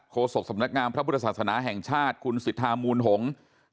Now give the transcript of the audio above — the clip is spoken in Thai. โศกสำนักงามพระพุทธศาสนาแห่งชาติคุณสิทธามูลหงษ์